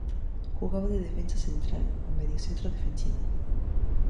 Jugaba de defensa central o mediocentro defensivo.